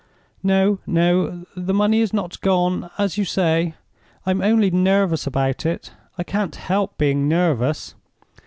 "No, no; the money is not gone, as you say. I'm only nervous about it; I can't help being nervous.